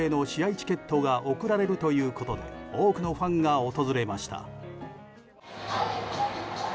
チケットが贈られるということで多くのファンが訪れました。